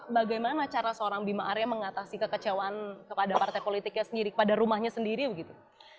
bagaimana cara seorang bima arya mengatasi kekecewaan kepada partai politiknya sendiri kepada rumahnya sendiri begitu